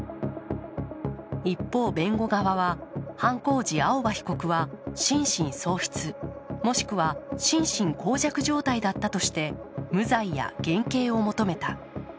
一方、弁護側は犯行時、青葉被告は心神喪失もしくは心身こう弱状態だったとして無罪や減軽を求めた。